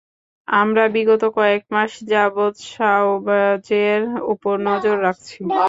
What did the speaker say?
আমরা বিগত কয়েক মাস যাবৎ সাওভ্যাজের উপর নজর রাখছি।